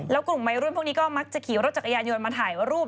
แล้วกลุ่มวัยรุ่นพวกนี้ก็มักจะขี่รถจักรยานยนต์มาถ่ายรูป